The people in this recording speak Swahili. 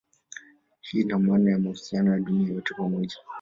Hii ina maana ya mahusiano ya dunia yote pamoja.